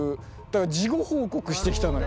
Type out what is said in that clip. だから事後報告してきたの。